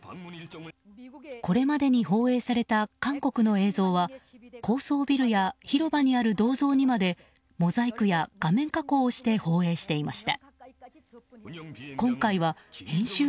これまでに放映された韓国の映像は高層ビルや広場にある銅像にまでモザイクや画面加工をして放映していました。